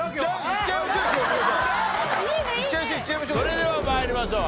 それでは参りましょう。